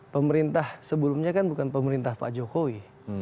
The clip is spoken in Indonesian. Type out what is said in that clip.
pemerintah sebelumnya kan bukan pemerintah pak jokowi